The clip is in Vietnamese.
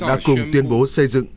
đã cùng tuyên bố xây dựng